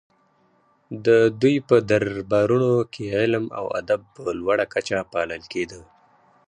د دوی په دربارونو کې علم او ادب په لوړه کچه پالل کیده